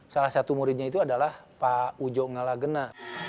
salah satu muridnya itu adalah pak ujo ngalagena